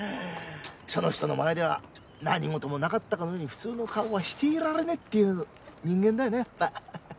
その人の前では何事もなかったかのように普通の顔はしていられねえっていう人間だよねやっぱ。